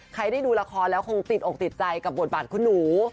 ใครได้ดูละครแล้วคงติดอกติดใจกับบทบาทคุณหนู